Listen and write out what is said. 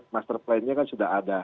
masterplan nya kan sudah ada